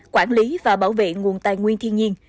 quản lý và bảo vệ nguồn tài nguyên thiên nhiên